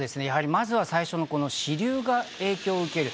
まずは最初の支流が影響を受ける。